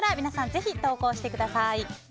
ぜひ投稿してください。